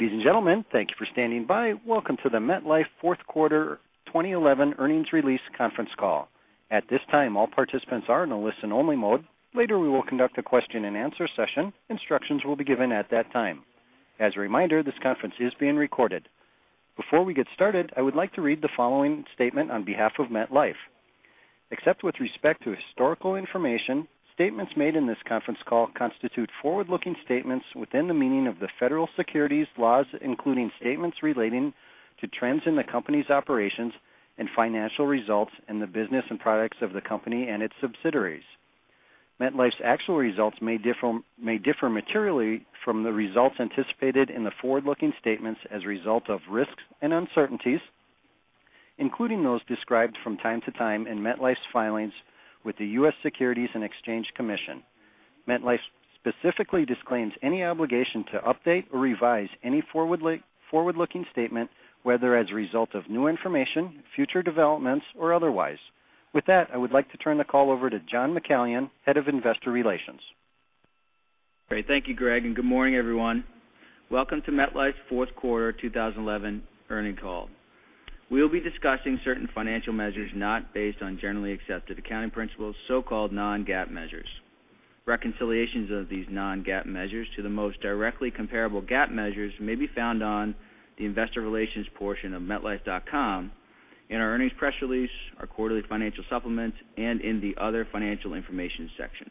Ladies and gentlemen, thank you for standing by. Welcome to the MetLife fourth quarter 2011 earnings release conference call. At this time, all participants are in a listen-only mode. Later, we will conduct a question-and-answer session. Instructions will be given at that time. As a reminder, this conference is being recorded. Before we get started, I would like to read the following statement on behalf of MetLife. Except with respect to historical information, statements made in this conference call constitute forward-looking statements within the meaning of the federal securities laws, including statements relating to trends in the company's operations and financial results and the business and products of the company and its subsidiaries. MetLife's actual results may differ materially from the results anticipated in the forward-looking statements as a result of risks and uncertainties, including those described from time to time in MetLife's filings with the U.S. Securities and Exchange Commission. MetLife specifically disclaims any obligation to update or revise any forward-looking statement, whether as a result of new information, future developments, or otherwise. I would like to turn the call over to John McCallion, Head of Investor Relations. Great. Thank you, Greg, good morning, everyone. Welcome to MetLife's fourth quarter 2011 earnings call. We'll be discussing certain financial measures not based on generally accepted accounting principles, so-called non-GAAP measures. Reconciliations of these non-GAAP measures to the most directly comparable GAAP measures may be found on the investor relations portion of metlife.com in our earnings press release, our quarterly financial supplements, and in the other financial information section.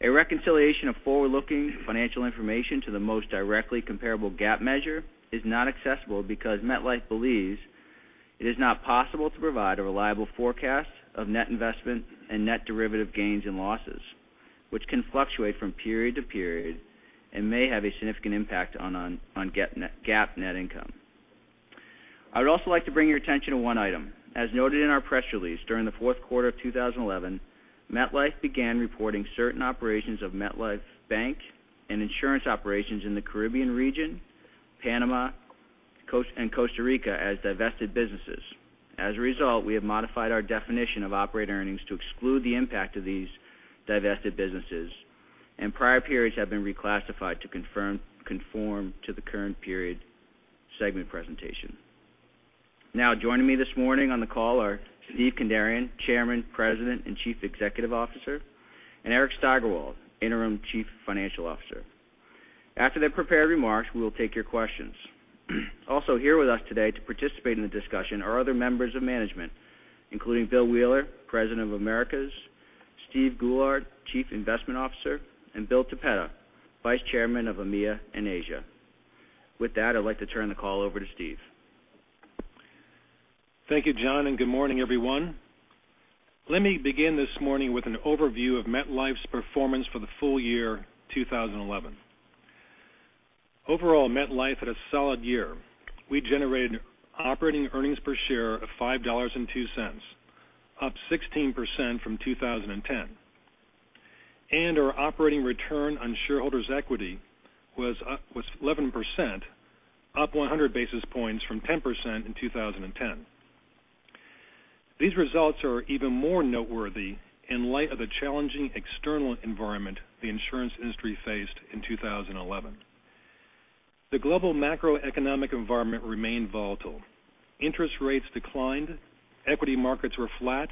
A reconciliation of forward-looking financial information to the most directly comparable GAAP measure is not accessible because MetLife believes it is not possible to provide a reliable forecast of net investment and net derivative gains and losses, which can fluctuate from period to period and may have a significant impact on GAAP net income. I would also like to bring your attention to one item. As noted in our press release, during the fourth quarter of 2011, MetLife began reporting certain operations of MetLife Bank and insurance operations in the Caribbean region, Panama, and Costa Rica as divested businesses. As a result, we have modified our definition of operating earnings to exclude the impact of these divested businesses, prior periods have been reclassified to conform to the current period segment presentation. Joining me this morning on the call are Steve Kandarian, Chairman, President, and Chief Executive Officer, Eric Steigerwalt, Interim Chief Financial Officer. After their prepared remarks, we will take your questions. Also here with us today to participate in the discussion are other members of management, including Bill Wheeler, President of Americas, Steve Goulart, Chief Investment Officer, Bill Toppeta, Vice Chairman of EMEA and Asia. I'd like to turn the call over to Steve. Thank you, John, and good morning, everyone. Let me begin this morning with an overview of MetLife's performance for the full year 2011. Overall, MetLife had a solid year. We generated operating earnings per share of $5.02, up 16% from 2010, and our operating return on shareholders' equity was 11%, up 100 basis points from 10% in 2010. These results are even more noteworthy in light of the challenging external environment the insurance industry faced in 2011. The global macroeconomic environment remained volatile. Interest rates declined, equity markets were flat,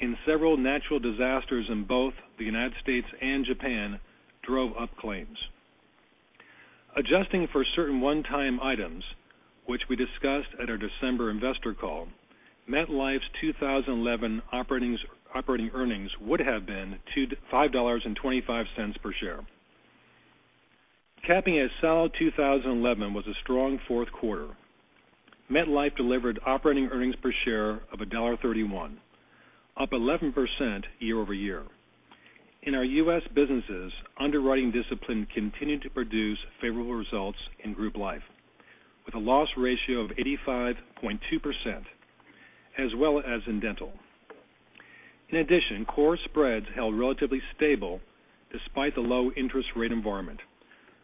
and several natural disasters in both the United States and Japan drove up claims. Adjusting for certain one-time items, which we discussed at our December investor call, MetLife's 2011 operating earnings would have been $5.25 per share. Capping a solid 2011 was a strong fourth quarter. MetLife delivered operating earnings per share of $1.31, up 11% year-over-year. In our U.S. businesses, underwriting discipline continued to produce favorable results in group life, with a loss ratio of 85.2%, as well as in dental. In addition, core spreads held relatively stable despite the low interest rate environment,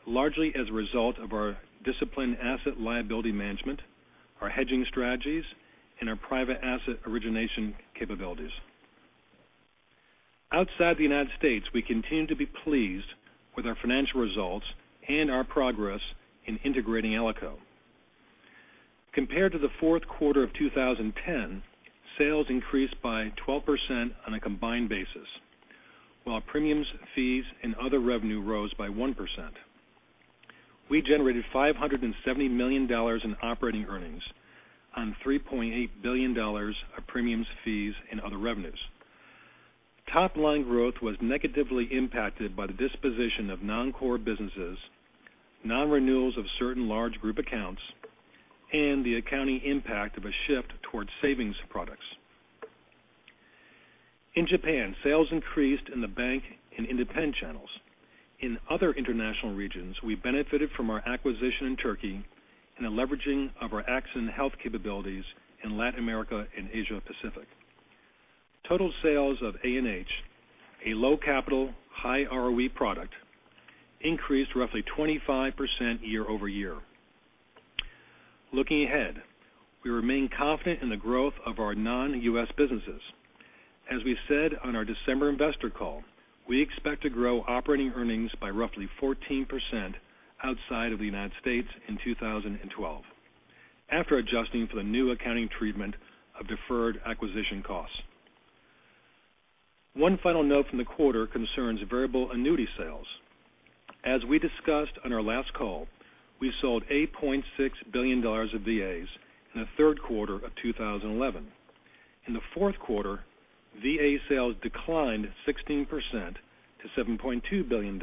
largely as a result of our disciplined asset liability management, our hedging strategies, and our private asset origination capabilities. Outside the United States, we continue to be pleased with our financial results and our progress in integrating ALICO. Compared to the fourth quarter of 2010, sales increased by 12% on a combined basis. While premiums, fees, and other revenue rose by 1%. We generated $570 million in operating earnings on $3.8 billion of premiums, fees, and other revenues. Top-line growth was negatively impacted by the disposition of non-core businesses, non-renewals of certain large group accounts, and the accounting impact of a shift towards savings products. In Japan, sales increased in the bank and independent channels. In other international regions, we benefited from our acquisition in Turkey and a leveraging of our accident health capabilities in Latin America and Asia Pacific. Total sales of A&H, a low capital, high ROE product, increased roughly 25% year-over-year. Looking ahead, we remain confident in the growth of our non-U.S. businesses. As we said on our December investor call, we expect to grow operating earnings by roughly 14% outside of the United States in 2012, after adjusting for the new accounting treatment of deferred acquisition costs. One final note from the quarter concerns variable annuity sales. As we discussed on our last call, we sold $8.6 billion of VAs in the third quarter of 2011. In the fourth quarter, VA sales declined 16% to $7.2 billion,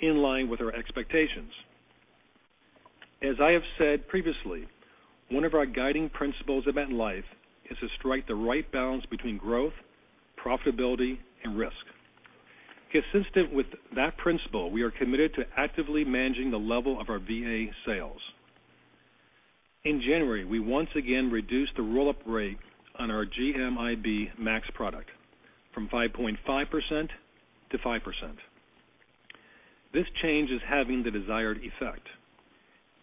in line with our expectations. As I have said previously, one of our guiding principles at MetLife is to strike the right balance between growth, profitability, and risk. Consistent with that principle, we are committed to actively managing the level of our VA sales. In January, we once again reduced the roll-up rate on our GMIB Max product from 5.5% to 5%. This change is having the desired effect.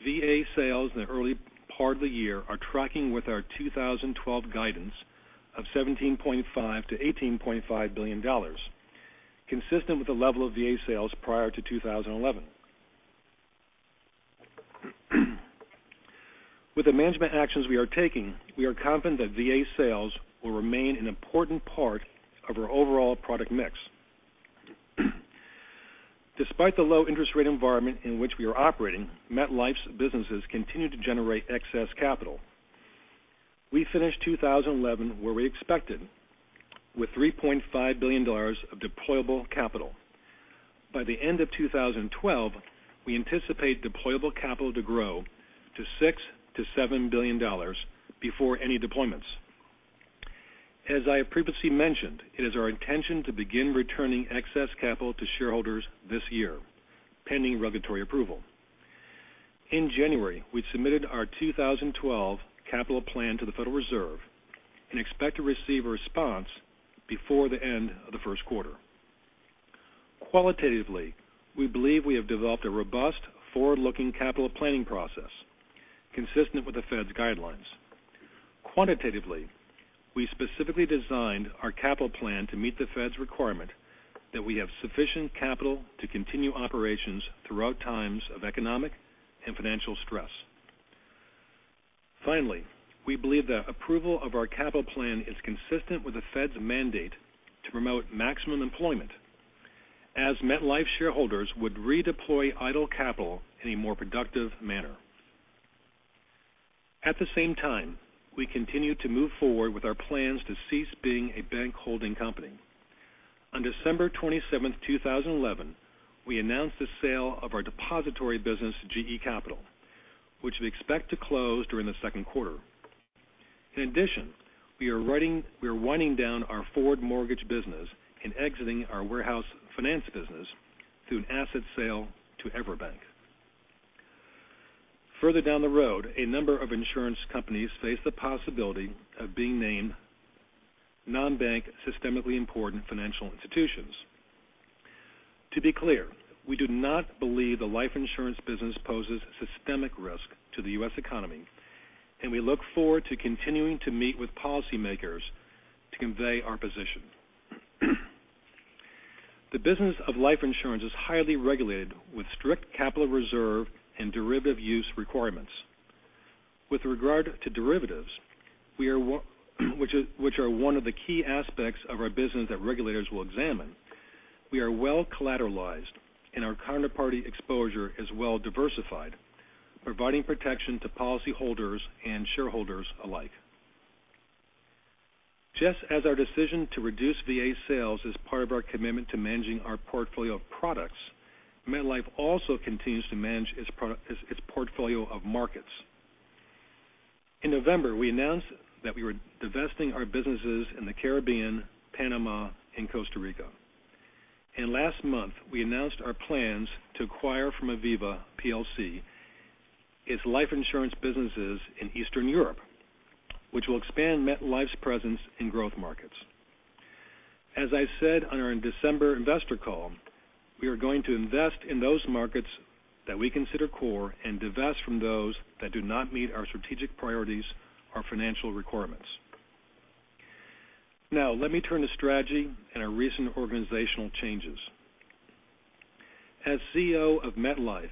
VA sales in the early part of the year are tracking with our 2012 guidance of $17.5 billion-$18.5 billion, consistent with the level of VA sales prior to 2011. With the management actions we are taking, we are confident that VA sales will remain an important part of our overall product mix. Despite the low interest rate environment in which we are operating, MetLife's businesses continue to generate excess capital. We finished 2011 where we expected, with $3.5 billion of deployable capital. By the end of 2012, we anticipate deployable capital to grow to $6 billion to $7 billion before any deployments. As I have previously mentioned, it is our intention to begin returning excess capital to shareholders this year, pending regulatory approval. In January, we submitted our 2012 capital plan to the Federal Reserve and expect to receive a response before the end of the first quarter. Qualitatively, we believe we have developed a robust forward-looking capital planning process consistent with the Fed's guidelines. Quantitatively, we specifically designed our capital plan to meet the Fed's requirement that we have sufficient capital to continue operations throughout times of economic and financial stress. Finally, we believe that approval of our capital plan is consistent with the Fed's mandate to promote maximum employment, as MetLife shareholders would redeploy idle capital in a more productive manner. At the same time, we continue to move forward with our plans to cease being a bank holding company. On December 27th, 2011, we announced the sale of our depository business to GE Capital, which we expect to close during the second quarter. In addition, we are winding down our forward mortgage business and exiting our warehouse finance business through an asset sale to EverBank. Further down the road, a number of insurance companies face the possibility of being named non-bank systemically important financial institutions. To be clear, we do not believe the life insurance business poses systemic risk to the U.S. economy, and we look forward to continuing to meet with policymakers to convey our position. The business of life insurance is highly regulated, with strict capital reserve and derivative use requirements. With regard to derivatives, which are one of the key aspects of our business that regulators will examine, we are well collateralized, and our counterparty exposure is well diversified, providing protection to policyholders and shareholders alike. Just as our decision to reduce VA sales is part of our commitment to managing our portfolio of products, MetLife also continues to manage its portfolio of markets. In November, we announced that we were divesting our businesses in the Caribbean, Panama, and Costa Rica. Last month, we announced our plans to acquire from Aviva plc its life insurance businesses in Eastern Europe, which will expand MetLife's presence in growth markets. As I said on our December investor call, we are going to invest in those markets that we consider core and divest from those that do not meet our strategic priorities or financial requirements. Now let me turn to strategy and our recent organizational changes. As CEO of MetLife,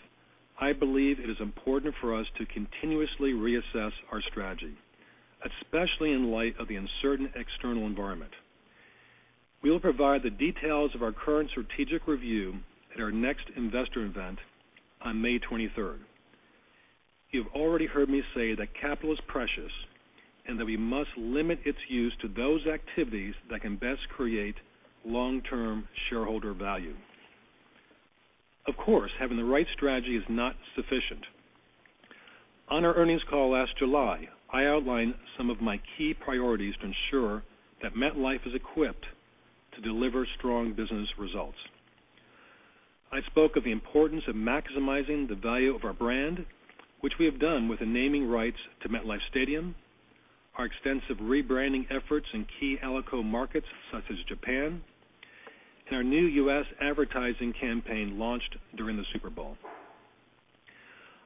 I believe it is important for us to continuously reassess our strategy, especially in light of the uncertain external environment. We will provide the details of our current strategic review at our next investor event on May 23rd. You've already heard me say that capital is precious and that we must limit its use to those activities that can best create long-term shareholder value. Of course, having the right strategy is not sufficient. On our earnings call last July, I outlined some of my key priorities to ensure that MetLife is equipped to deliver strong business results. I spoke of the importance of maximizing the value of our brand, which we have done with the naming rights to MetLife Stadium, our extensive rebranding efforts in key ALICO markets such as Japan. In our new U.S. advertising campaign launched during the Super Bowl,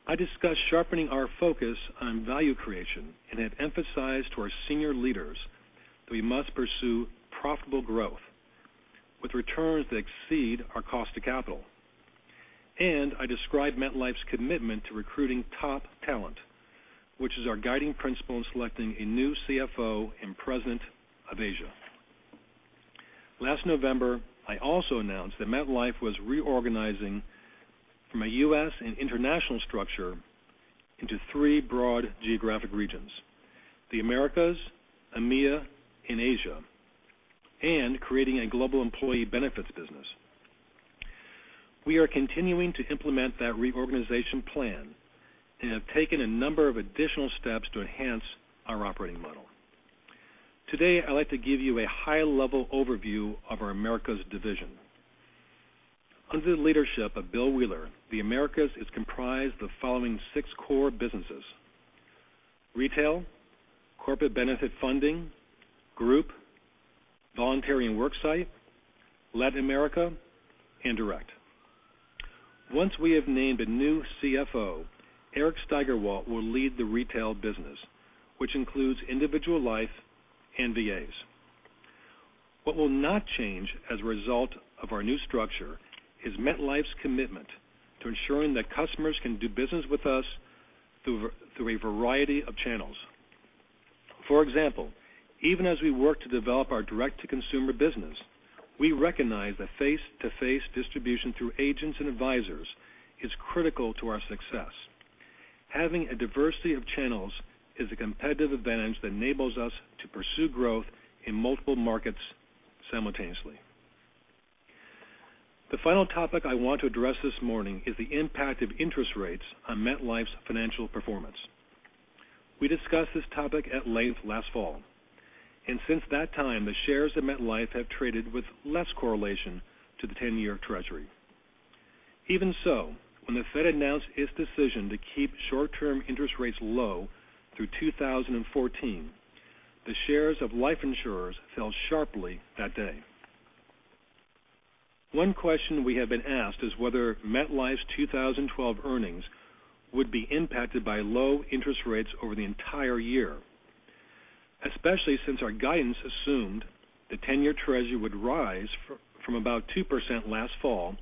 I discussed sharpening our focus on value creation and have emphasized to our senior leaders that we must pursue profitable growth with returns that exceed our cost to capital. I described MetLife's commitment to recruiting top talent, which is our guiding principle in selecting a new CFO and President of Asia. Last November, I also announced that MetLife was reorganizing from a U.S. and international structure into three broad geographic regions, the Americas, EMEA, and Asia, and creating a global employee benefits business. We are continuing to implement that reorganization plan and have taken a number of additional steps to enhance our operating model. Today, I'd like to give you a high-level overview of our Americas division. Under the leadership of Bill Wheeler, the Americas is comprised of the following six core businesses, retail, corporate benefit funding, group, voluntary and work site, Latin America, and direct. Once we have named a new CFO, Eric Steigerwalt will lead the retail business, which includes individual life and VAs. What will not change as a result of our new structure is MetLife's commitment to ensuring that customers can do business with us through a variety of channels. For example, even as we work to develop our direct-to-consumer business, we recognize that face-to-face distribution through agents and advisors is critical to our success. Having a diversity of channels is a competitive advantage that enables us to pursue growth in multiple markets simultaneously. The final topic I want to address this morning is the impact of interest rates on MetLife's financial performance. Since that time, the shares of MetLife have traded with less correlation to the 10-year treasury. Even so, when the Fed announced its decision to keep short-term interest rates low through 2014, the shares of life insurers fell sharply that day. One question we have been asked is whether MetLife's 2012 earnings would be impacted by low interest rates over the entire year, especially since our guidance assumed the 10-year treasury would rise from about 2% last fall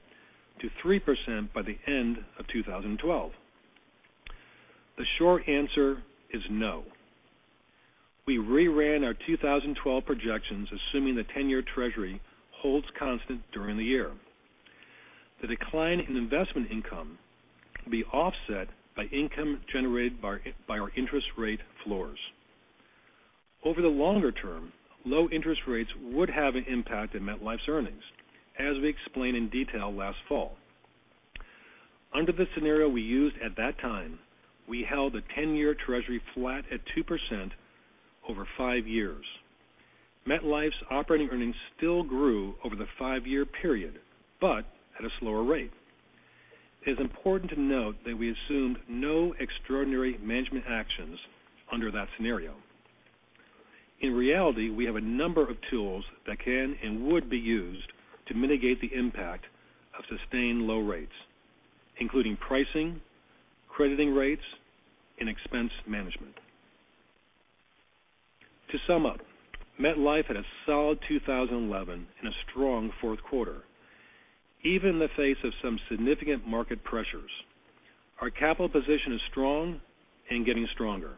to 3% by the end of 2012. The short answer is no. We reran our 2012 projections, assuming the 10-year treasury holds constant during the year. The decline in investment income be offset by income generated by our interest rate floors. Over the longer term, low interest rates would have an impact on MetLife's earnings, as we explained in detail last fall. Under the scenario we used at that time, we held the 10-year treasury flat at 2% over five years. MetLife's operating earnings still grew over the five-year period, but at a slower rate. It is important to note that we assumed no extraordinary management actions under that scenario. In reality, we have a number of tools that can and would be used to mitigate the impact of sustained low rates, including pricing, crediting rates, and expense management. To sum up, MetLife had a solid 2011 and a strong fourth quarter, even in the face of some significant market pressures. Our capital position is strong and getting stronger,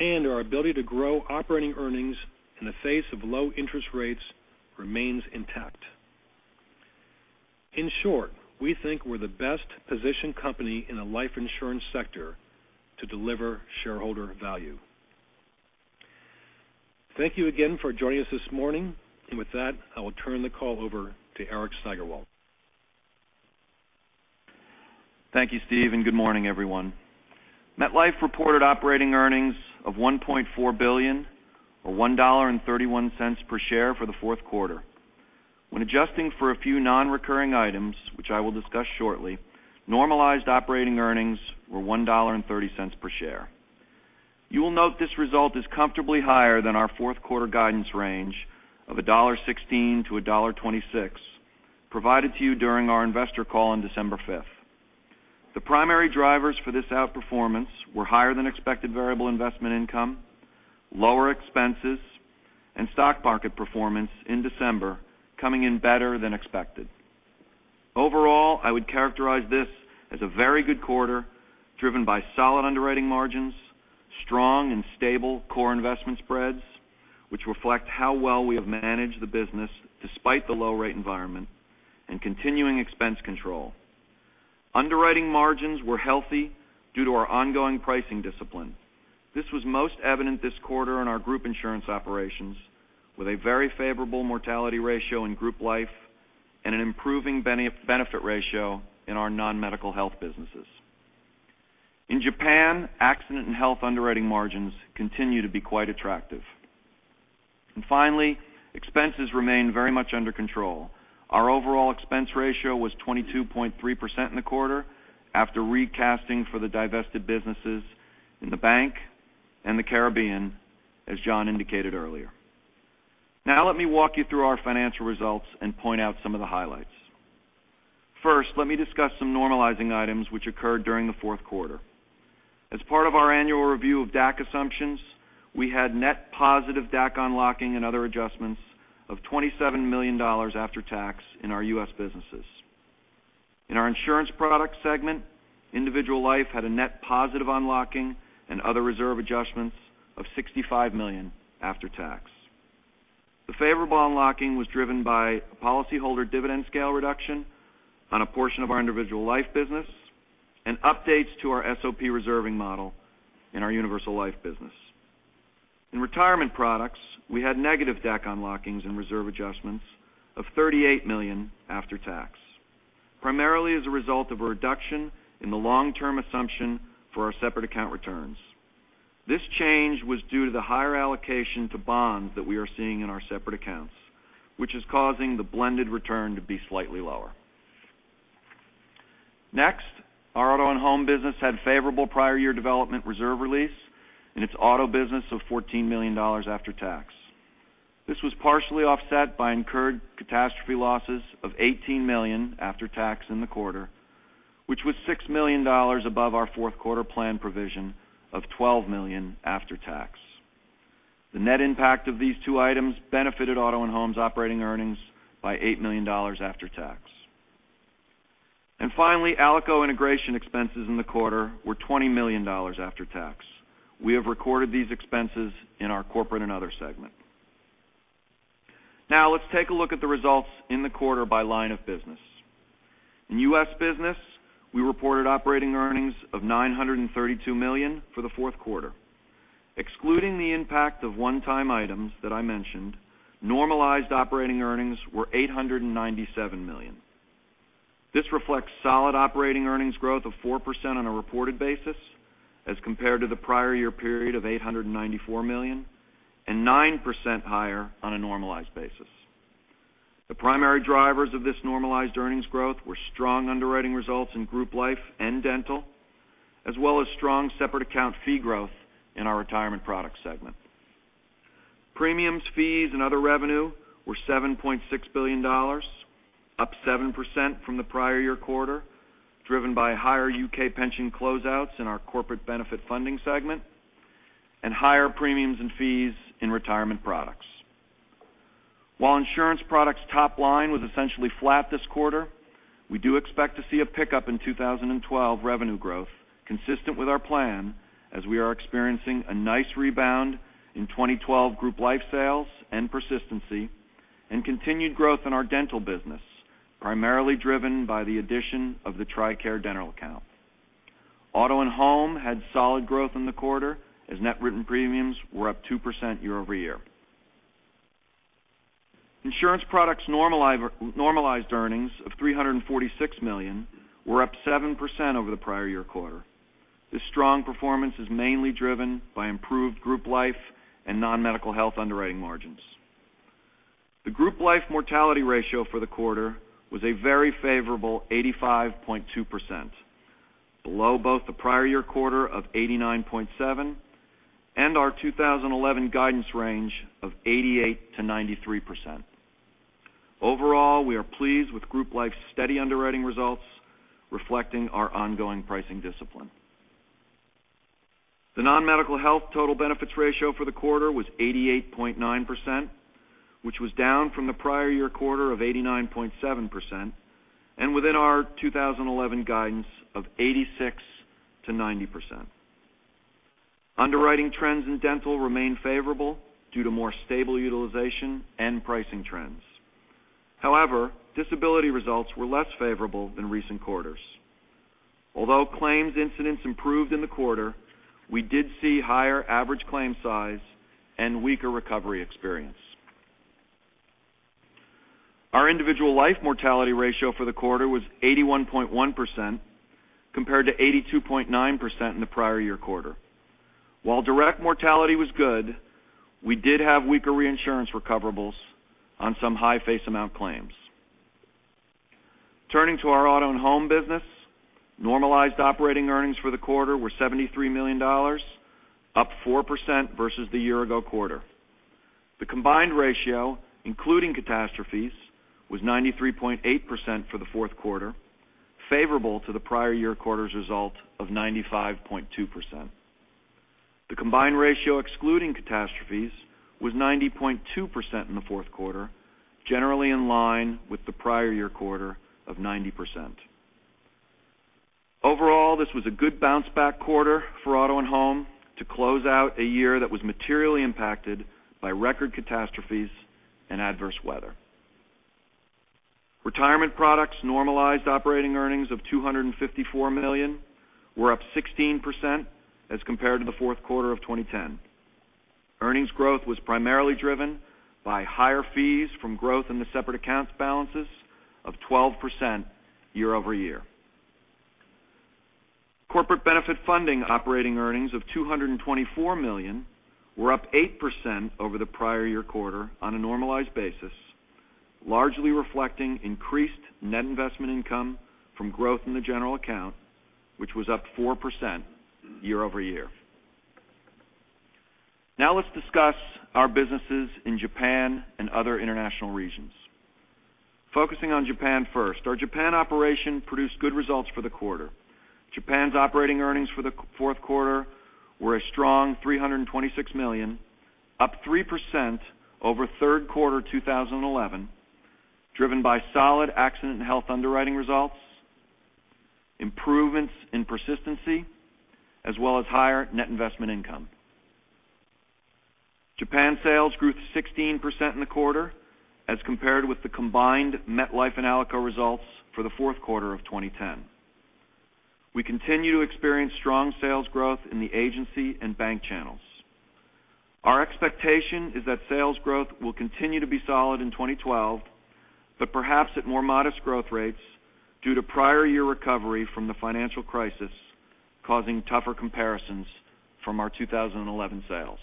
and our ability to grow operating earnings in the face of low interest rates remains intact. In short, we think we're the best-positioned company in the life insurance sector to deliver shareholder value. Thank you again for joining us this morning, with that, I will turn the call over to Eric Steigerwalt. Thank you, Steve, good morning, everyone. MetLife reported operating earnings of $1.4 billion or $1.31 per share for the fourth quarter. When adjusting for a few non-recurring items, which I will discuss shortly, normalized operating earnings were $1.30 per share. You will note this result is comfortably higher than our fourth quarter guidance range of $1.16-$1.26 provided to you during our investor call on December 5th. The primary drivers for this outperformance were higher than expected variable investment income, lower expenses, stock market performance in December coming in better than expected. Overall, I would characterize this as a very good quarter, driven by solid underwriting margins, strong and stable core investment spreads, which reflect how well we have managed the business despite the low rate environment, continuing expense control. Underwriting margins were healthy due to our ongoing pricing discipline. This was most evident this quarter in our group insurance operations, with a very favorable mortality ratio in group life and an improving benefit ratio in our non-medical health businesses. In Japan, accident and health underwriting margins continue to be quite attractive. Finally, expenses remain very much under control. Our overall expense ratio was 22.3% in the quarter after recasting for the divested businesses in the bank the Caribbean, as John indicated earlier. Let me walk you through our financial results and point out some of the highlights. First, let me discuss some normalizing items which occurred during the fourth quarter. As part of our annual review of DAC assumptions, we had net positive DAC unlocking and other adjustments of $27 million after tax in our U.S. businesses. In our insurance product segment, individual life had a net positive unlocking and other reserve adjustments of $65 million after tax. The favorable unlocking was driven by a policyholder dividend scale reduction on a portion of our individual life business and updates to our SOP reserving model in our universal life business. In retirement products, we had negative DAC unlockings and reserve adjustments of $38 million after tax, primarily as a result of a reduction in the long-term assumption for our separate account returns. This change was due to the higher allocation to bonds that we are seeing in our separate accounts, which is causing the blended return to be slightly lower. Next, our auto and home business had favorable prior year development reserve release in its auto business of $14 million after tax. This was partially offset by incurred catastrophe losses of $18 million after tax in the quarter, which was $6 million above our fourth quarter plan provision of $12 million after tax. The net impact of these two items benefited Auto and Home's operating earnings by $8 million after tax. Finally, ALICO integration expenses in the quarter were $20 million after tax. We have recorded these expenses in our corporate and other segment. Let's take a look at the results in the quarter by line of business. In U.S. business, we reported operating earnings of $932 million for the fourth quarter. Excluding the impact of one-time items that I mentioned, normalized operating earnings were $897 million. This reflects solid operating earnings growth of 4% on a reported basis as compared to the prior year period of $894 million and 9% higher on a normalized basis. The primary drivers of this normalized earnings growth were strong underwriting results in group life and dental, as well as strong separate account fee growth in our retirement product segment. Premiums, fees, and other revenue were $7.6 billion, up 7% from the prior year quarter, driven by higher U.K. pension closeouts in our corporate benefit funding segment and higher premiums and fees in retirement products. While insurance products top line was essentially flat this quarter, we do expect to see a pickup in 2012 revenue growth consistent with our plan as we are experiencing a nice rebound in 2012 group life sales and persistency and continued growth in our dental business, primarily driven by the addition of the TRICARE dental account. Auto and Home had solid growth in the quarter as net written premiums were up 2% year-over-year. Insurance products' normalized earnings of $346 million were up 7% over the prior year quarter. This strong performance is mainly driven by improved group life and non-medical health underwriting margins. The group life mortality ratio for the quarter was a very favorable 85.2%, below both the prior year quarter of 89.7% and our 2011 guidance range of 88%-93%. Overall, we are pleased with group life's steady underwriting results, reflecting our ongoing pricing discipline. The non-medical health total benefits ratio for the quarter was 88.9%, which was down from the prior year quarter of 89.7% and within our 2011 guidance of 86%-90%. Underwriting trends in dental remain favorable due to more stable utilization and pricing trends. Disability results were less favorable than recent quarters. Although claims incidents improved in the quarter, we did see higher average claim size and weaker recovery experience. Our individual life mortality ratio for the quarter was 81.1% compared to 82.9% in the prior year quarter. While direct mortality was good, we did have weaker reinsurance recoverables on some high face amount claims. Turning to our Auto and Home business, normalized operating earnings for the quarter were $73 million, up 4% versus the year ago quarter. The combined ratio, including catastrophes, was 93.8% for the fourth quarter, favorable to the prior year quarter's result of 95.2%. The combined ratio excluding catastrophes was 90.2% in the fourth quarter, generally in line with the prior year quarter of 90%. Overall, this was a good bounce back quarter for Auto and Home to close out a year that was materially impacted by record catastrophes and adverse weather. Retirement products normalized operating earnings of $254 million were up 16% as compared to the fourth quarter of 2010. Earnings growth was primarily driven by higher fees from growth in the separate accounts balances of 12% year-over-year. Corporate benefit funding operating earnings of $224 million were up 8% over the prior year quarter on a normalized basis, largely reflecting increased net investment income from growth in the general account, which was up 4% year-over-year. Now let's discuss our businesses in Japan and other international regions. Focusing on Japan first. Our Japan operation produced good results for the quarter. Japan's operating earnings for the fourth quarter were a strong $326 million, up 3% over third quarter 2011, driven by solid accident and health underwriting results, improvements in persistency, as well as higher net investment income. Japan sales grew 16% in the quarter as compared with the combined MetLife and ALICO results for the fourth quarter of 2010. We continue to experience strong sales growth in the agency and bank channels. Our expectation is that sales growth will continue to be solid in 2012, but perhaps at more modest growth rates due to prior year recovery from the financial crisis causing tougher comparisons from our 2011 sales.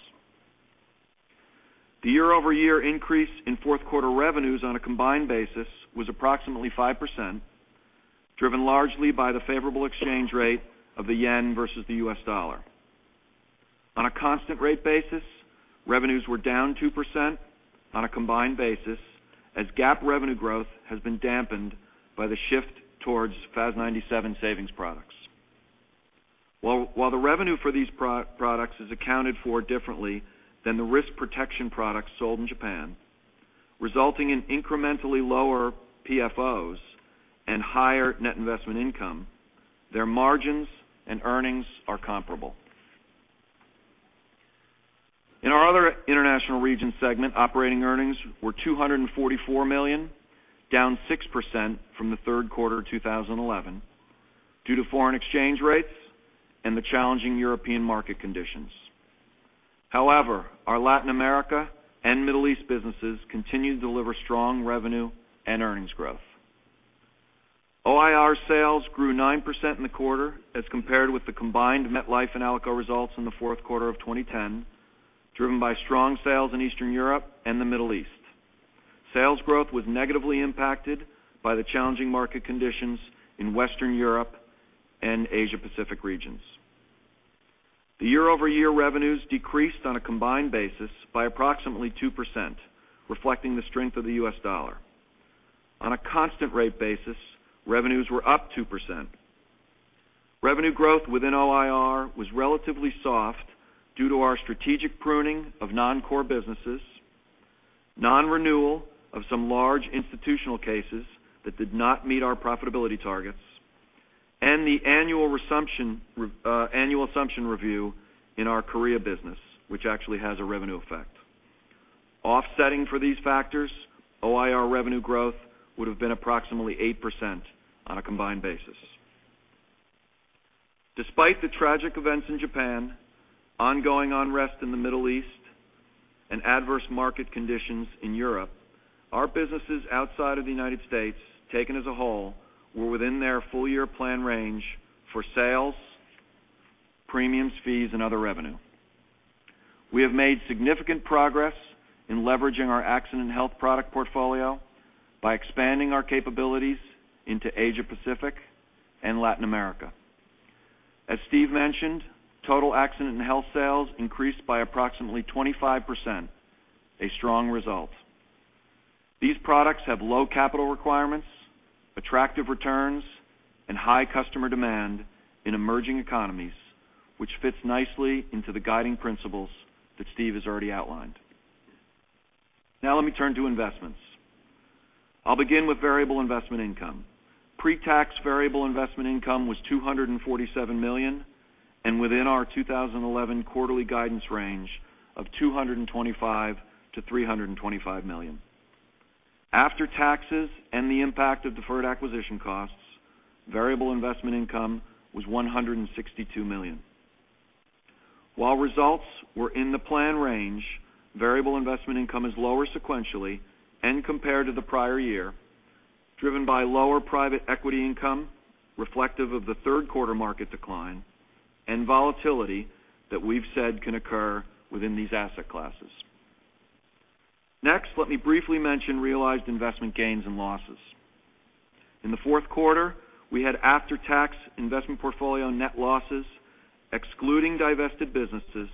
The year-over-year increase in fourth quarter revenues on a combined basis was approximately 5%, driven largely by the favorable exchange rate of the yen versus the U.S. dollar. On a constant rate basis, revenues were down 2% on a combined basis as GAAP revenue growth has been dampened by the shift towards FAS 97 savings products. While the revenue for these products is accounted for differently than the risk protection products sold in Japan, resulting in incrementally lower PFOs and higher net investment income, their margins and earnings are comparable. In our other international regions segment, operating earnings were $244 million, down 6% from the third quarter 2011 due to foreign exchange rates and the challenging European market conditions. However, our Latin America and Middle East businesses continue to deliver strong revenue and earnings growth. OIR sales grew 9% in the quarter as compared with the combined MetLife and ALICO results in the fourth quarter of 2010, driven by strong sales in Eastern Europe and the Middle East. Sales growth was negatively impacted by the challenging market conditions in Western Europe and Asia Pacific regions. The year-over-year revenues decreased on a combined basis by approximately 2%, reflecting the strength of the U.S. dollar. On a constant rate basis, revenues were up 2%. Revenue growth within OIR was relatively soft due to our strategic pruning of non-core businesses, non-renewal of some large institutional cases that did not meet our profitability targets, and the annual assumption review in our career business, which actually has a revenue effect. Offsetting for these factors, OIR revenue growth would have been approximately 8% on a combined basis. Despite the tragic events in Japan, ongoing unrest in the Middle East, and adverse market conditions in Europe, our businesses outside of the United States, taken as a whole, were within their full year plan range for sales, premiums, fees, and other revenue. We have made significant progress in leveraging our accident and health product portfolio by expanding our capabilities into Asia Pacific and Latin America. As Steve mentioned, total accident and health sales increased by approximately 25%, a strong result. These products have low capital requirements, attractive returns, and high customer demand in emerging economies, which fits nicely into the guiding principles that Steve has already outlined. Let me turn to investments. I'll begin with variable investment income. Pre-tax variable investment income was $247 million and within our 2011 quarterly guidance range of $225 million-$325 million. After taxes and the impact of deferred acquisition costs, variable investment income was $162 million. While results were in the plan range, variable investment income is lower sequentially and compared to the prior year, driven by lower private equity income reflective of the third quarter market decline and volatility that we've said can occur within these asset classes. Let me briefly mention realized investment gains and losses. In the fourth quarter, we had after-tax investment portfolio net losses, excluding divested businesses,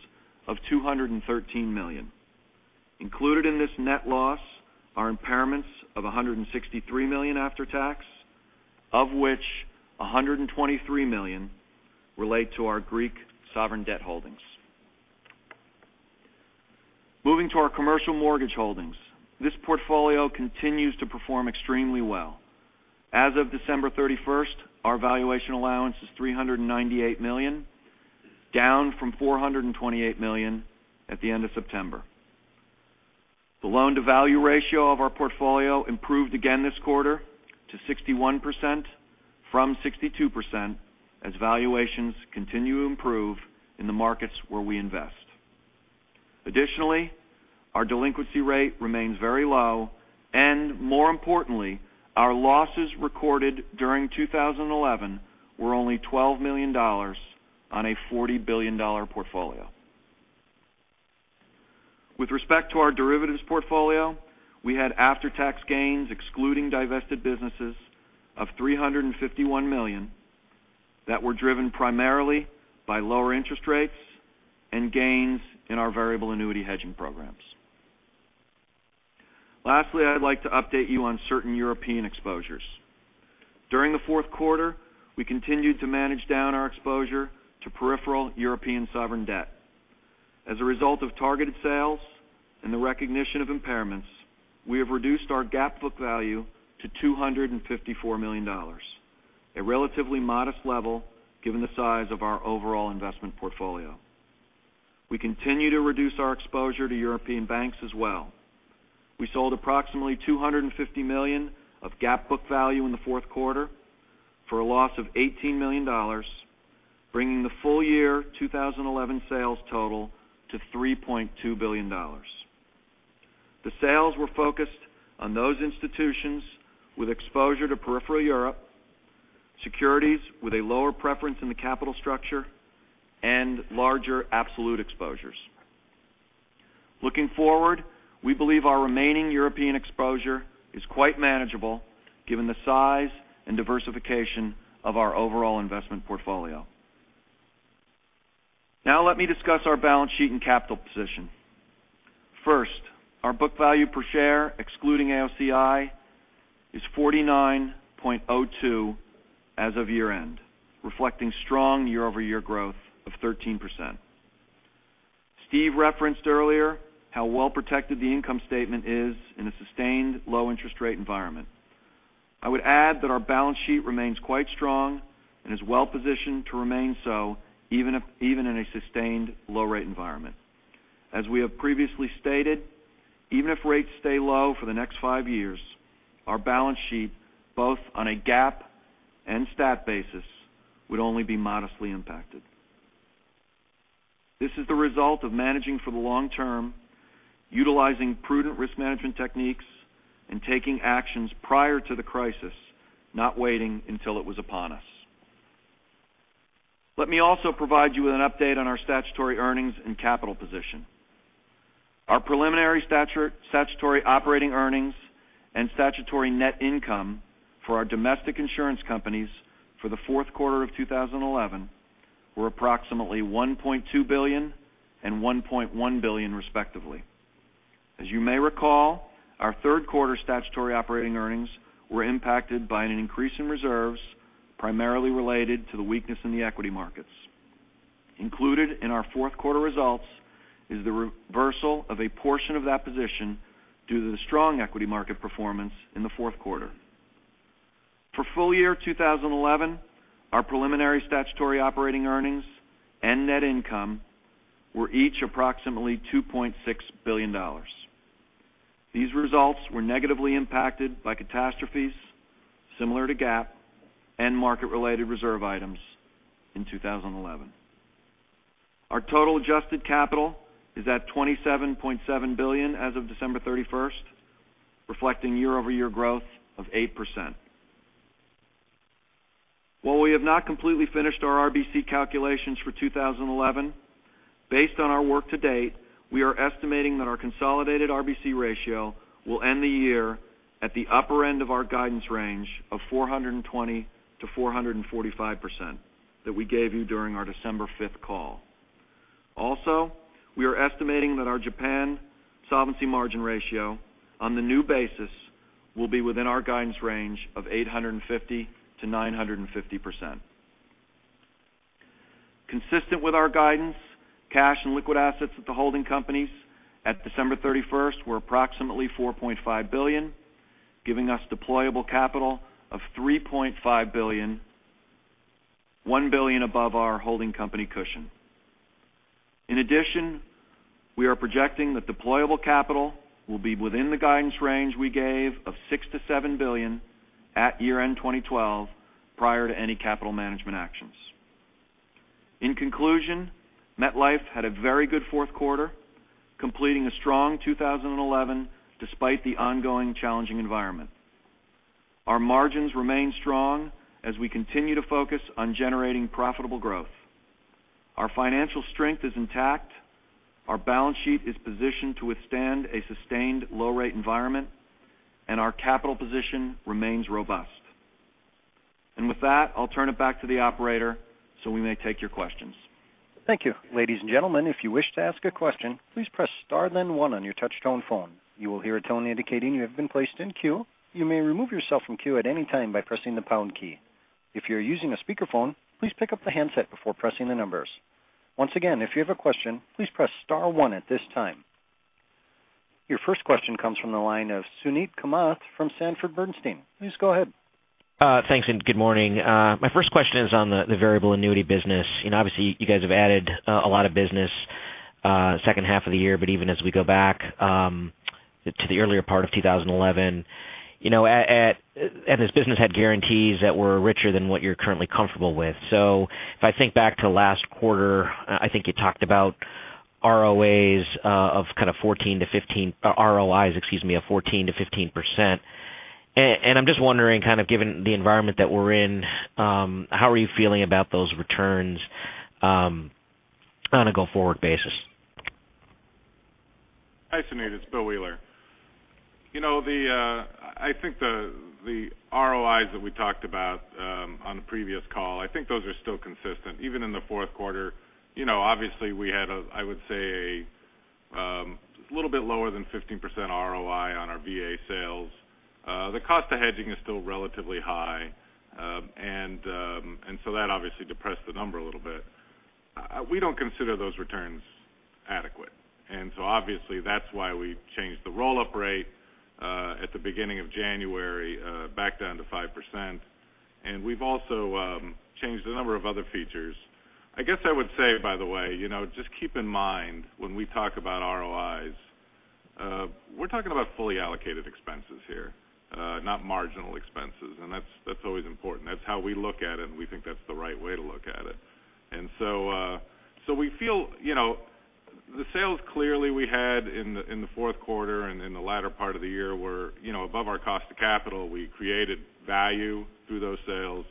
of $213 million. Included in this net loss are impairments of $163 million after tax, of which $123 million relate to our Greek sovereign debt holdings. Moving to our commercial mortgage holdings. This portfolio continues to perform extremely well. As of December 31st, our valuation allowance is $398 million, down from $428 million at the end of September. The loan to value ratio of our portfolio improved again this quarter to 61% from 62% as valuations continue to improve in the markets where we invest. Additionally, our delinquency rate remains very low, and more importantly, our losses recorded during 2011 were only $12 million on a $40 billion portfolio. With respect to our derivatives portfolio, we had after-tax gains, excluding divested businesses, of $351 million that were driven primarily by lower interest rates and gains in our variable annuity hedging programs. Lastly, I'd like to update you on certain European exposures. During the fourth quarter, we continued to manage down our exposure to peripheral European sovereign debt. As a result of targeted sales and the recognition of impairments, we have reduced our GAAP book value to $254 million, a relatively modest level given the size of our overall investment portfolio. We continue to reduce our exposure to European banks as well. We sold approximately $250 million of GAAP book value in the fourth quarter for a loss of $18 million, bringing the full year 2011 sales total to $3.2 billion. The sales were focused on those institutions with exposure to peripheral Europe, securities with a lower preference in the capital structure, and larger absolute exposures. Looking forward, we believe our remaining European exposure is quite manageable given the size and diversification of our overall investment portfolio. Let me discuss our balance sheet and capital position. First, our book value per share, excluding AOCI, is $49.02 as of year-end, reflecting strong year-over-year growth of 13%. Steve referenced earlier how well protected the income statement is in a sustained low interest rate environment. I would add that our balance sheet remains quite strong and is well positioned to remain so even in a sustained low rate environment. As we have previously stated, even if rates stay low for the next five years, our balance sheet, both on a GAAP and stat basis, would only be modestly impacted. This is the result of managing for the long term, utilizing prudent risk management techniques, and taking actions prior to the crisis, not waiting until it was upon us. Let me also provide you with an update on our statutory earnings and capital position. Our preliminary statutory operating earnings and statutory net income for our domestic insurance companies for the fourth quarter of 2011 were approximately $1.2 billion and $1.1 billion, respectively. As you may recall, our third quarter statutory operating earnings were impacted by an increase in reserves, primarily related to the weakness in the equity markets. Included in our fourth quarter results is the reversal of a portion of that position due to the strong equity market performance in the fourth quarter. For full year 2011, our preliminary statutory operating earnings and net income were each approximately $2.6 billion. These results were negatively impacted by catastrophes similar to GAAP and market-related reserve items in 2011. Our total adjusted capital is at $27.7 billion as of December 31st, reflecting year-over-year growth of 8%. While we have not completely finished our RBC calculations for 2011, based on our work to date, we are estimating that our consolidated RBC ratio will end the year at the upper end of our guidance range of 420%-445% that we gave you during our December 5th call. Also, we are estimating that our Japan solvency margin ratio on the new basis will be within our guidance range of 850%-950%. Consistent with our guidance, cash and liquid assets at the holding companies at December 31st were approximately $4.5 billion, giving us deployable capital of $3.5 billion, $1 billion above our holding company cushion. In addition, we are projecting that deployable capital will be within the guidance range we gave of $6 billion-$7 billion at year-end 2012, prior to any capital management actions. In conclusion, MetLife had a very good fourth quarter, completing a strong 2011 despite the ongoing challenging environment. Our margins remain strong as we continue to focus on generating profitable growth. Our financial strength is intact, our balance sheet is positioned to withstand a sustained low rate environment, our capital position remains robust. With that, I'll turn it back to the operator, so we may take your questions. Thank you. Ladies and gentlemen, if you wish to ask a question, please press star then one on your touch tone phone. You will hear a tone indicating you have been placed in queue. You may remove yourself from queue at any time by pressing the pound key. If you're using a speakerphone, please pick up the handset before pressing the numbers. Once again, if you have a question, please press star one at this time. Your first question comes from the line of Suneet Kamath from Sanford Bernstein. Please go ahead. Thanks, good morning. My first question is on the variable annuity business. Obviously, you guys have added a lot of business second half of the year, but even as we go back to the earlier part of 2011, this business had guarantees that were richer than what you're currently comfortable with. If I think back to last quarter, I think you talked about ROIs of 14%-15%. I'm just wondering, kind of given the environment that we're in, how are you feeling about those returns on a go-forward basis? Hi, Suneet. It's Bill Wheeler. I think the ROIs that we talked about on the previous call, I think those are still consistent even in the fourth quarter. Obviously, we had, I would say, a little bit lower than 15% ROI on our VA sales. The cost of hedging is still relatively high. That obviously depressed the number a little bit. We don't consider those returns adequate. Obviously, that's why we changed the roll-up rate at the beginning of January back down to 5%. We've also changed a number of other features. I guess I would say, by the way, just keep in mind when we talk about ROIs, we're talking about fully allocated expenses here, not marginal expenses. That's always important. That's how we look at it, and we think that's the right way to look at it. We feel the sales clearly we had in the fourth quarter and in the latter part of the year were above our cost of capital. We created value through those sales,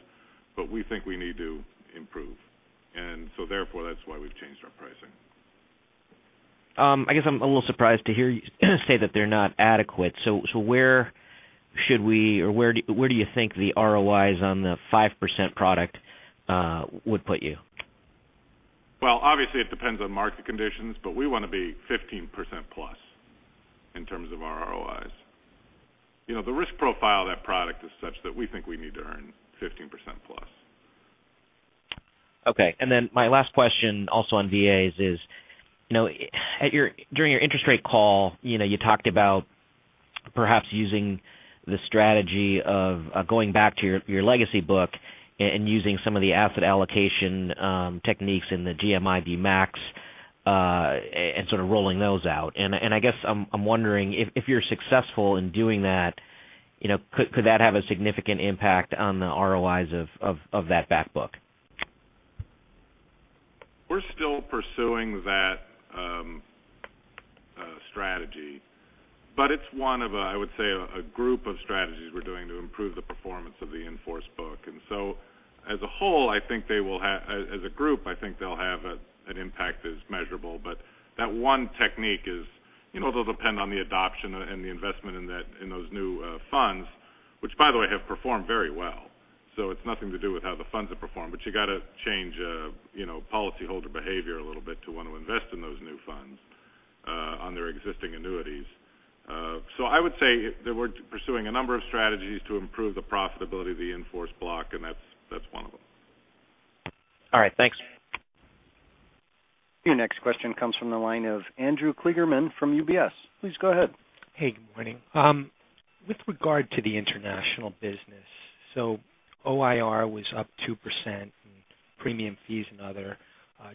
but we think we need to improve. Therefore, that's why we've changed our pricing. I guess I'm a little surprised to hear you say that they're not adequate. Where do you think the ROIs on the 5% product would put you? Well, obviously, it depends on market conditions, but we want to be 15% plus in terms of our ROIs. The risk profile of that product is such that we think we need to earn 15% plus. Okay. My last question also on VAs is, during your interest rate call, you talked about perhaps using the strategy of going back to your legacy book and using some of the asset allocation techniques in the GMIB Max, and sort of rolling those out. I guess I'm wondering if you're successful in doing that, could that have a significant impact on the ROIs of that back book? We're still pursuing that strategy, but it's one of a group of strategies we're doing to improve the performance of the in-force book. As a group, I think they'll have an impact that's measurable. That one technique will depend on the adoption and the investment in those new funds. Which, by the way, have performed very well. It's nothing to do with how the funds have performed, but you got to change policyholder behavior a little bit to want to invest in those new funds on their existing annuities. I would say that we're pursuing a number of strategies to improve the profitability of the in-force block, and that's one of them. All right. Thanks. Your next question comes from the line of Andrew Kligerman from UBS. Please go ahead. Hey, good morning. With regard to the international business. OIR was up 2% in premium fees and other.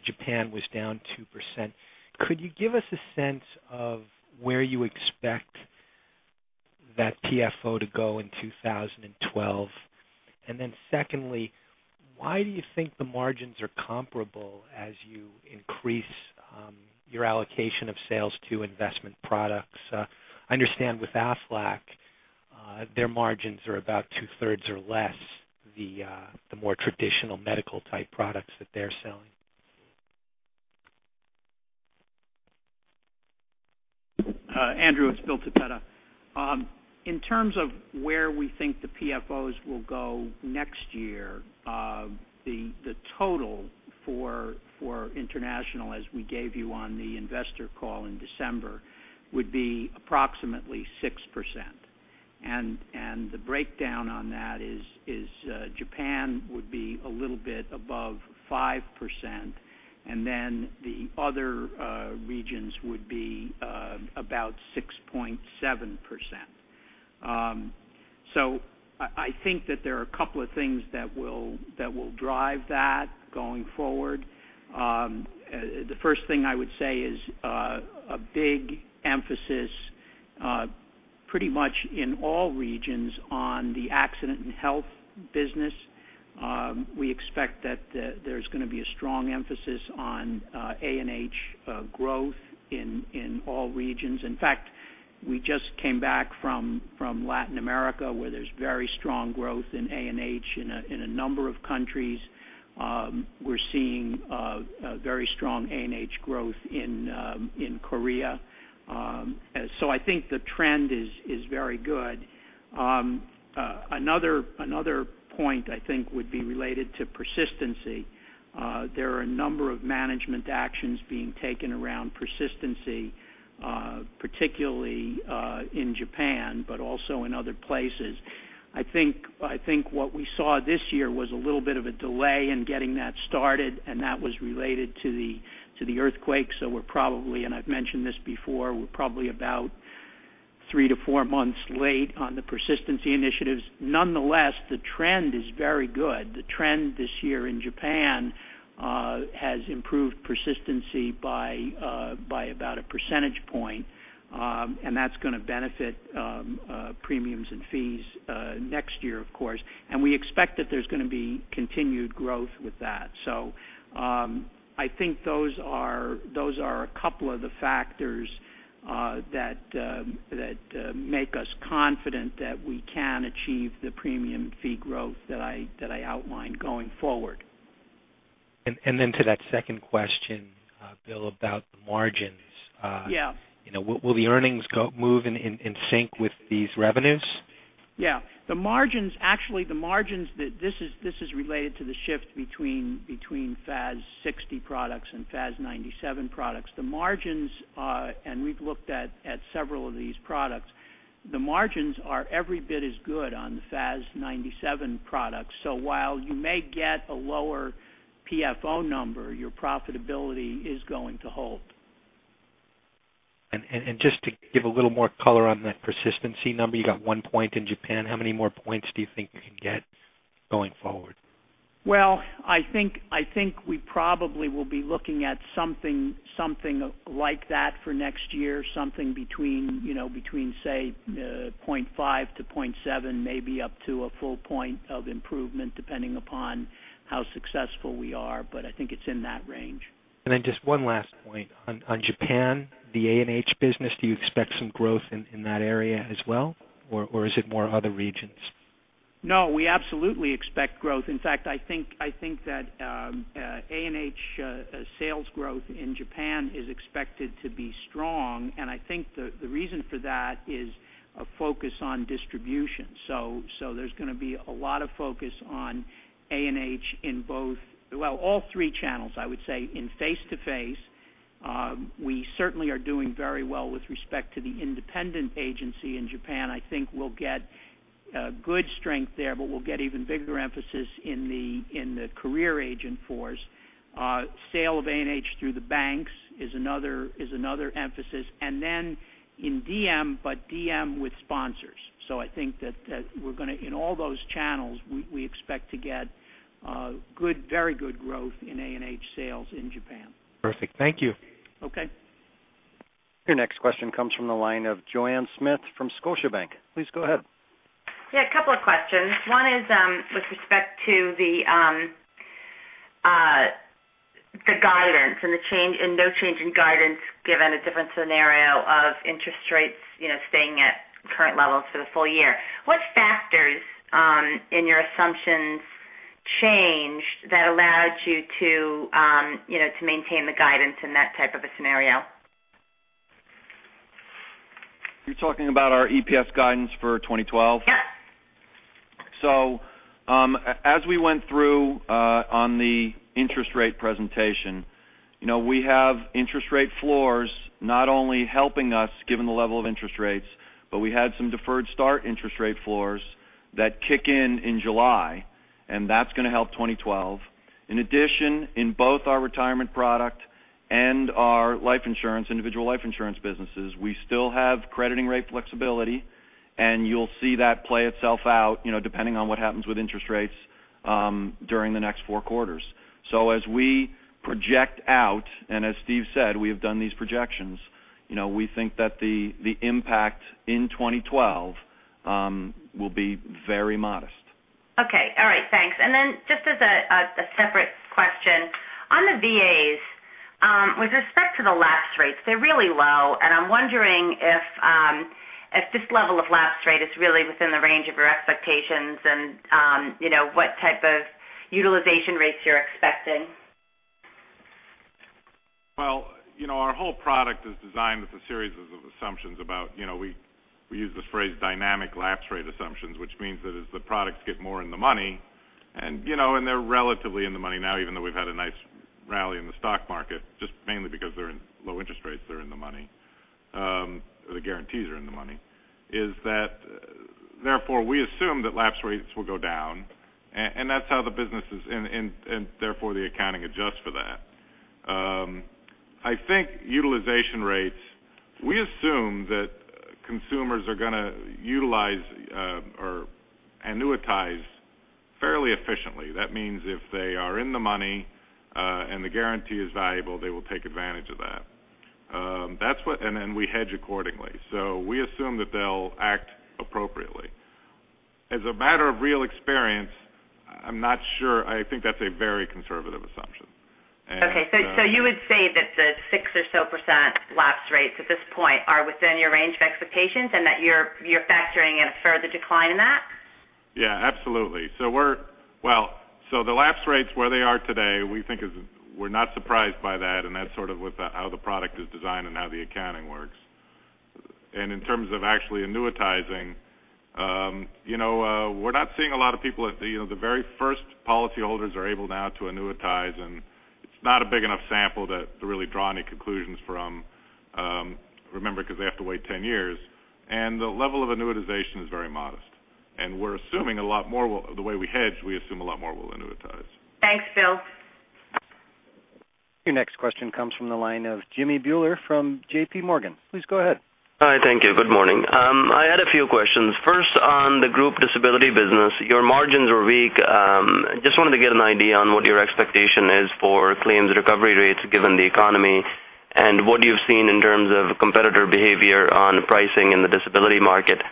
Japan was down 2%. Could you give us a sense of where you expect that PFO to go in 2012? Secondly, why do you think the margins are comparable as you increase your allocation of sales to investment products? I understand with Aflac, their margins are about two-thirds or less the more traditional medical type products that they're selling. Andrew, it's William Toppeta. In terms of where we think the PFOs will go next year, the total for international, as we gave you on the investor call in December, would be approximately 6%. The breakdown on that is, Japan would be a little bit above 5%, the other regions would be about 6.7%. I think that there are a couple of things that will drive that going forward. The first thing I would say is a big emphasis pretty much in all regions on the accident and health business. We expect that there's going to be a strong emphasis on A&H growth in all regions. In fact, we just came back from Latin America, where there's very strong growth in A&H in a number of countries. We're seeing very strong A&H growth in Korea. I think the trend is very good. Another point I think would be related to persistency. There are a number of management actions being taken around persistency, particularly in Japan, but also in other places. I think what we saw this year was a little bit of a delay in getting that started, and that was related to the earthquake. We're probably, and I've mentioned this before, we're probably about three to four months late on the persistency initiatives. Nonetheless, the trend is very good. The trend this year in Japan has improved persistency by about a percentage point, and that's going to benefit premiums and fees next year, of course. We expect that there's going to be continued growth with that. I think those are a couple of the factors that make us confident that we can achieve the premium fee growth that I outlined going forward. To that second question, Bill, about the margins. Yeah. Will the earnings move in sync with these revenues? Yeah. Actually, the margins, this is related to the shift between FAS 60 products and FAS 97 products. The margins, and we've looked at several of these products, the margins are every bit as good on the FAS 97 products. While you may get a lower PFO number, your profitability is going to hold. Just to give a little more color on that persistency number, you got one point in Japan. How many more points do you think you can get going forward? Well, I think we probably will be looking at something like that for next year, something between, say, 0.5-0.7, maybe up to a full one point of improvement, depending upon how successful we are. I think it's in that range. Just one last point. On Japan, the A&H business, do you expect some growth in that area as well? Is it more other regions? No, we absolutely expect growth. In fact, I think that A&H sales growth in Japan is expected to be strong, I think the reason for that is a focus on distribution. There's going to be a lot of focus on A&H in both, well, all three channels, I would say. In face-to-face, we certainly are doing very well with respect to the independent agency in Japan. I think we'll get good strength there, we'll get even bigger emphasis in the career agent force. Sale of A&H through the banks is another emphasis. In DM with sponsors. I think that in all those channels, we expect to get very good growth in A&H sales in Japan. Perfect. Thank you. Okay. Your next question comes from the line of Joanne Smith from Scotiabank. Please go ahead. Yeah, a couple of questions. One is with respect to the guidance and no change in guidance given a different scenario of interest rates staying at current levels for the full year. What factors in your assumptions changed that allowed you to maintain the guidance in that type of a scenario? You're talking about our EPS guidance for 2012? Yep. As we went through on the interest rate presentation, we have interest rate floors not only helping us given the level of interest rates, but we had some deferred start interest rate floors that kick in in July, and that's going to help 2012. In addition, in both our retirement product and our life insurance, individual life insurance businesses, we still have crediting rate flexibility, and you'll see that play itself out, depending on what happens with interest rates during the next four quarters. As we project out, and as Steve said, we have done these projections, we think that the impact in 2012 will be very modest. Okay. All right, thanks. Just as a separate question, on the VAs, with respect to the lapse rates, they're really low, and I'm wondering if this level of lapse rate is really within the range of your expectations and what type of utilization rates you're expecting. Well, our whole product is designed with a series of assumptions about, we use this phrase dynamic lapse rate assumptions, which means that as the products get more in the money, and they're relatively in the money now, even though we've had a nice rally in the stock market, just mainly because they're in low interest rates, they're in the money. The guarantees are in the money. Is that, therefore, we assume that lapse rates will go down, and that's how the business is, and therefore, the accounting adjusts for that. I think utilization rates, we assume that consumers are going to utilize or annuitize fairly efficiently. That means if they are in the money, and the guarantee is valuable, they will take advantage of that. We hedge accordingly. We assume that they'll act appropriately. As a matter of real experience, I'm not sure. I think that's a very conservative assumption. Okay, you would say that the six or so % lapse rates at this point are within your range of expectations and that you're factoring in a further decline in that? Yeah, absolutely. The lapse rates where they are today, we're not surprised by that, and that's sort of how the product is designed and how the accounting works. In terms of actually annuitizing, we're not seeing a lot of people at the very first policyholders are able now to annuitize, and it's not a big enough sample to really draw any conclusions from. Remember, because they have to wait 10 years, and the level of annuitization is very modest. The way we hedge, we assume a lot more will annuitize. Thanks, Bill. Your next question comes from the line of Jamminder Bhullar from JP Morgan. Please go ahead. Hi. Thank you. Good morning. I had a few questions. First, on the group disability business, your margins were weak Just wanted to get an idea on what your expectation is for claims recovery rates given the economy, and what you've seen in terms of competitor behavior on pricing in the disability market.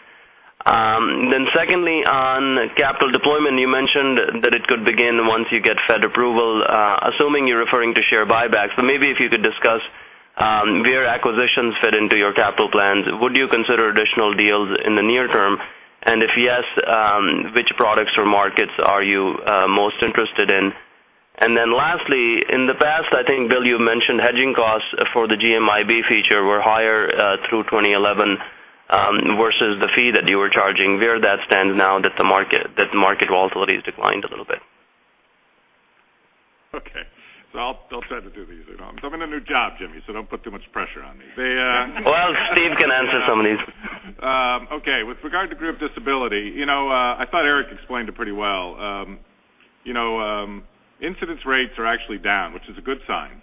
Secondly, on capital deployment, you mentioned that it could begin once you get Fed approval, assuming you're referring to share buybacks. Maybe if you could discuss where acquisitions fit into your capital plans. Would you consider additional deals in the near term? If yes, which products or markets are you most interested in? Lastly, in the past, I think, Bill, you mentioned hedging costs for the GMIB feature were higher through 2011 versus the fee that you were charging. Where that stands now that the market volatility has declined a little bit? Okay. I'll try to do these. I'm in a new job, Jamminder, so don't put too much pressure on me. Well, Steve can answer some of these. Okay. With regard to group disability, I thought Eric explained it pretty well. Incidence rates are actually down, which is a good sign.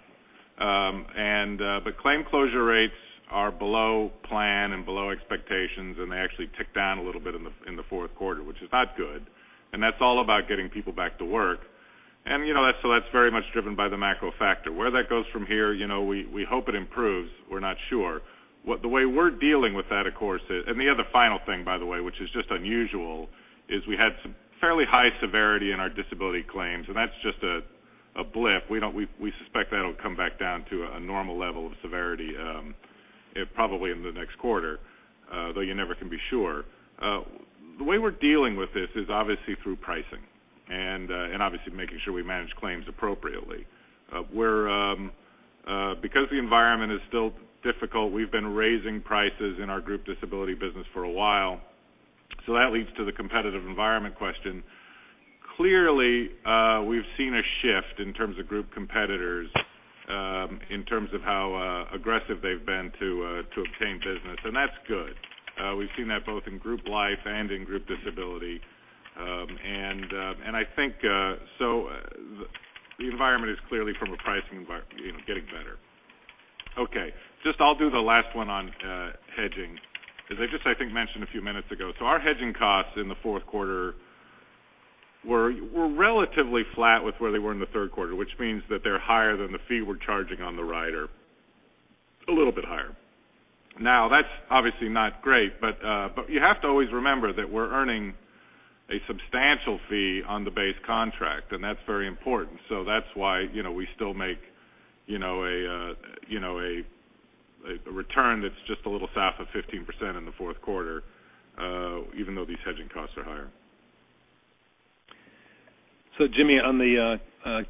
Claim closure rates are below plan and below expectations, and they actually ticked down a little bit in the fourth quarter, which is not good. That's all about getting people back to work. That's very much driven by the macro factor. Where that goes from here, we hope it improves. We're not sure. The way we're dealing with that, of course, and the other final thing, by the way, which is just unusual, is we had some fairly high severity in our disability claims, and that's just a blip. We suspect that'll come back down to a normal level of severity, probably in the next quarter, though you never can be sure. The way we're dealing with this is obviously through pricing, and obviously making sure we manage claims appropriately. Because the environment is still difficult, we've been raising prices in our group disability business for a while. That leads to the competitive environment question. Clearly, we've seen a shift in terms of group competitors, in terms of how aggressive they've been to obtain business, and that's good. We've seen that both in group life and in group disability. I think the environment is clearly from a pricing environment getting better. Okay. Just I'll do the last one on hedging. As I just, I think, mentioned a few minutes ago, our hedging costs in the fourth quarter were relatively flat with where they were in the third quarter, which means that they're higher than the fee we're charging on the rider. A little bit higher. That's obviously not great, you have to always remember that we're earning a substantial fee on the base contract, that's very important. That's why we still make a return that's just a little south of 15% in the fourth quarter, even though these hedging costs are higher. Jamminder, on the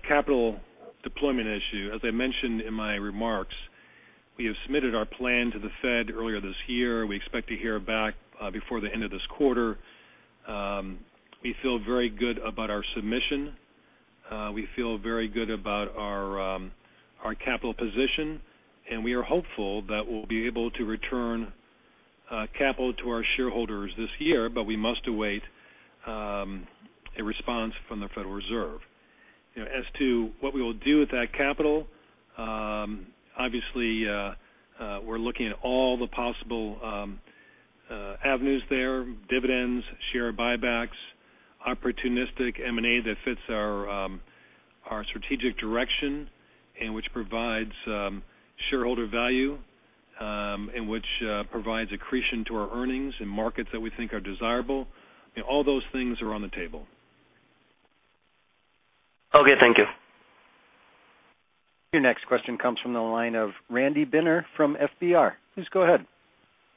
capital deployment issue, as I mentioned in my remarks, we have submitted our plan to the Fed earlier this year. We expect to hear back before the end of this quarter. We feel very good about our submission. We feel very good about our capital position, we are hopeful that we'll be able to return capital to our shareholders this year, we must await a response from the Federal Reserve. As to what we will do with that capital, obviously, we're looking at all the possible avenues there, dividends, share buybacks, opportunistic M&A that fits our strategic direction which provides shareholder value, which provides accretion to our earnings in markets that we think are desirable. All those things are on the table. Okay, thank you. Your next question comes from the line of Randy Binner from FBR. Please go ahead.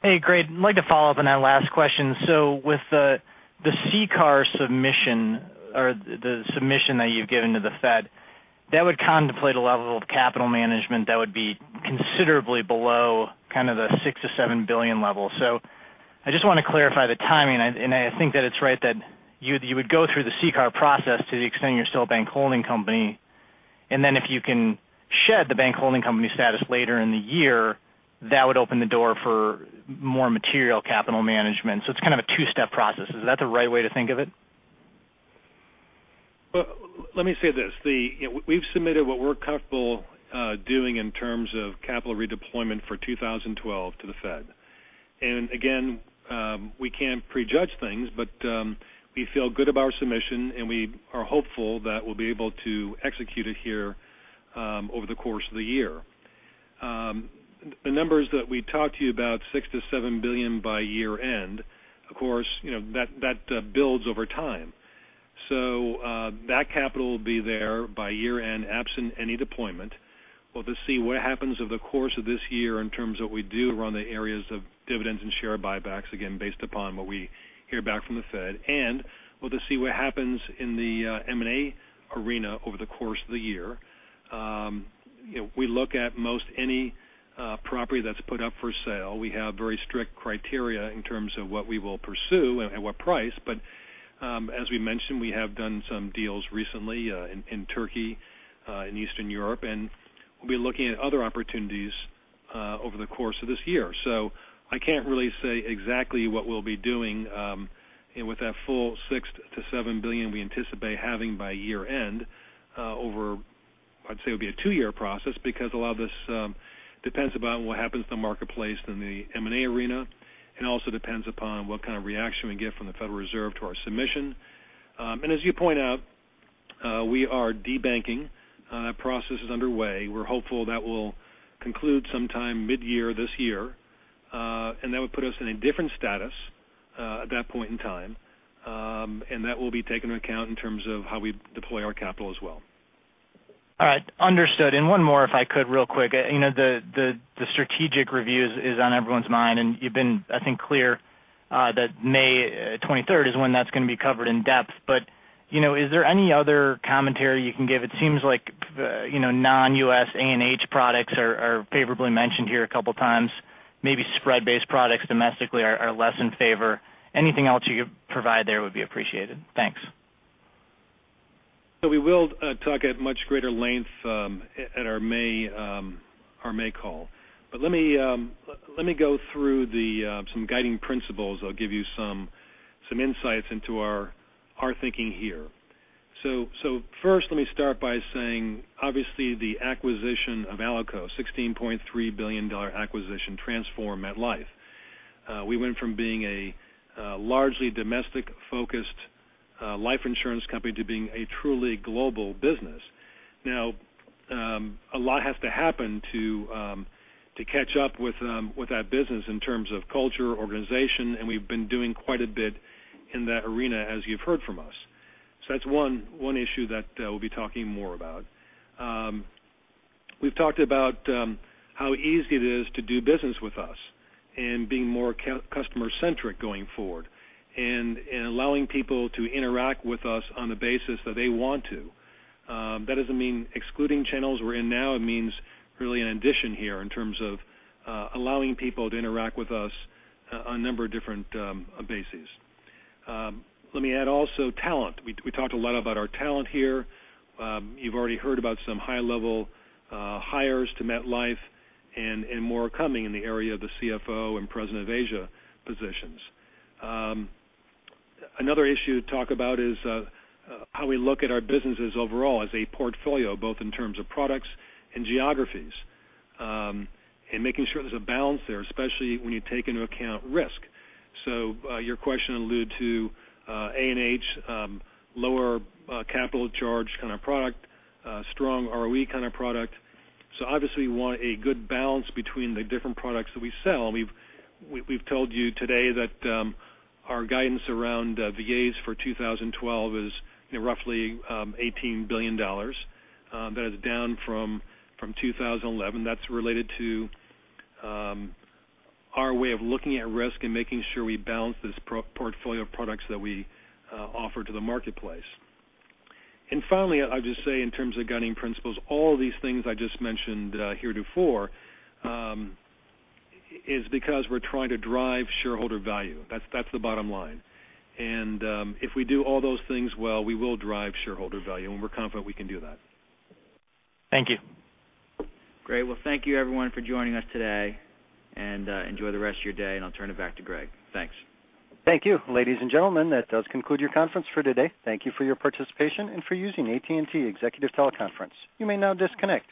Hey, great. I'd like to follow up on that last question. With the CCAR submission or the submission that you've given to the Fed, that would contemplate a level of capital management that would be considerably below kind of the $6 billion-$7 billion level. I just want to clarify the timing, and I think that it's right that you would go through the CCAR process to the extent you're still a bank holding company, and then if you can shed the bank holding company status later in the year, that would open the door for more material capital management. It's kind of a two-step process. Is that the right way to think of it? Let me say this. We've submitted what we're comfortable doing in terms of capital redeployment for 2012 to the Fed. Again, we can't prejudge things, but we feel good about our submission, and we are hopeful that we'll be able to execute it here over the course of the year. The numbers that we talked to you about, $6 billion-$7 billion by year-end, of course, that builds over time. That capital will be there by year-end, absent any deployment. We'll just see what happens over the course of this year in terms of what we do around the areas of dividends and share buybacks, again, based upon what we hear back from the Fed. We'll just see what happens in the M&A arena over the course of the year. We look at most any property that's put up for sale. We have very strict criteria in terms of what we will pursue and at what price. As we mentioned, we have done some deals recently in Turkey, in Eastern Europe, and we'll be looking at other opportunities over the course of this year. I can't really say exactly what we'll be doing with that full $6 billion-$7 billion we anticipate having by year-end I'd say it'll be a two-year process because a lot of this depends upon what happens to the marketplace in the M&A arena, and also depends upon what kind of reaction we get from the Federal Reserve to our submission. As you point out, we are de-banking. That process is underway. We're hopeful that will conclude sometime mid-year this year, and that would put us in a different status at that point in time. That will be taken into account in terms of how we deploy our capital as well. All right. Understood. One more, if I could, real quick. The strategic review is on everyone's mind, and you've been, I think, clear that May 23rd is when that's going to be covered in depth. Is there any other commentary you can give? It seems like non-U.S. A&H products are favorably mentioned here a couple of times. Maybe spread-based products domestically are less in favor. Anything else you could provide there would be appreciated. Thanks. We will talk at much greater length at our May call. Let me go through some guiding principles that'll give you some insights into our thinking here. First, let me start by saying, obviously, the acquisition of ALICO, $16.3 billion acquisition, transformed MetLife. We went from being a largely domestic-focused life insurance company to being a truly global business. A lot has to happen to catch up with that business in terms of culture, organization, and we've been doing quite a bit in that arena, as you've heard from us. That's one issue that we'll be talking more about. We've talked about how easy it is to do business with us and being more customer-centric going forward, and allowing people to interact with us on the basis that they want to. That doesn't mean excluding channels we're in now. It means really an addition here in terms of allowing people to interact with us on a number of different bases. Let me add also talent. We talked a lot about our talent here. You've already heard about some high-level hires to MetLife and more coming in the area of the CFO and President of Asia positions. Another issue to talk about is how we look at our businesses overall as a portfolio, both in terms of products and geographies, and making sure there's a balance there, especially when you take into account risk. Your question alludes to A&H, lower capital charge kind of product, strong ROE kind of product. Obviously, we want a good balance between the different products that we sell. We've told you today that our guidance around VAs for 2012 is roughly $18 billion. That is down from 2011. That's related to our way of looking at risk and making sure we balance this portfolio of products that we offer to the marketplace. Finally, I'll just say in terms of guiding principles, all these things I just mentioned heretofore is because we're trying to drive shareholder value. That's the bottom line. If we do all those things well, we will drive shareholder value, and we're confident we can do that. Thank you. Great. Well, thank you everyone for joining us today, and enjoy the rest of your day, and I'll turn it back to Greg. Thanks. Thank you. Ladies and gentlemen, that does conclude your conference for today. Thank you for your participation and for using AT&T TeleConference Services. You may now disconnect.